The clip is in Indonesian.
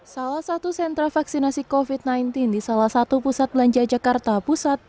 salah satu sentra vaksinasi covid sembilan belas di salah satu pusat belanja jakarta pusat